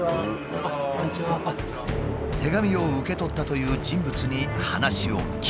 手紙を受け取ったという人物に話を聞く。